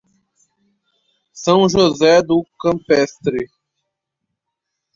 São José do Campestre